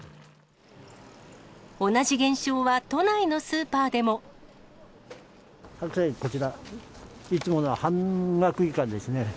同じ現象は都内のスーパーで白菜こちら、いつもの半額以下ですね。